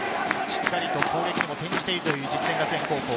しっかりと攻撃にも転じているという実践学園高校。